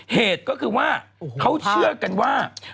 เหตุก็คือว่าเขาเชื่อกันว่า